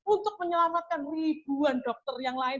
untuk menyelamatkan ribuan dokter yang lain